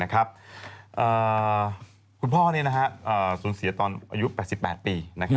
คุณพ่อสูญเสียตอนอายุ๘๘ปี